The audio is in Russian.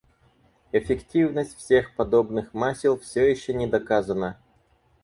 Эффективность всех подобных масел всё ещё не доказана.